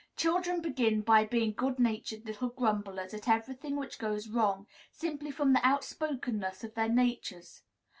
Children begin by being good natured little grumblers at every thing which goes wrong, simply from the outspokenness of their natures.